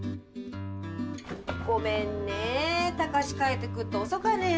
ごめんねえたかし帰ってくっと遅かねえ。